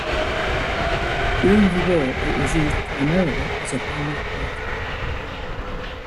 During the war it was used primarily as a bomber airfield.